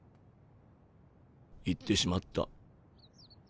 行ってしまった。